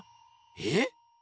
えっ？